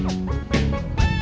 oh apa apa betapa